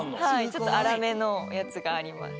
ちょっとあらめのやつがあります。